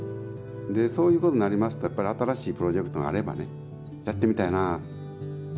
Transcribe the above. でそういうことになりますとやっぱり新しいプロジェクトがあればねやってみたいなあ。